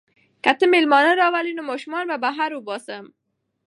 که ته مېلمانه راولې نو ماشومان به بهر وباسم.